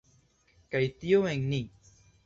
Kaj tio en ni.